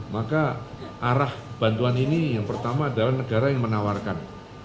maka arah bantuan ini yang pertama adalah negara yang menawarkan